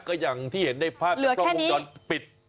ก็อย่างที่เห็นในภาพจากกล้องวงจรปิด